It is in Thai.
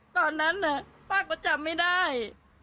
ตอนนั้นป้าก็จำไม่ได้